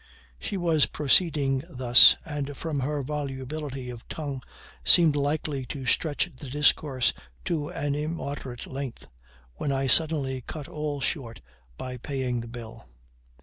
She was proceeding thus, and from her volubility of tongue seemed likely to stretch the discourse to an immoderate length, when I suddenly cut all short by paying the bill.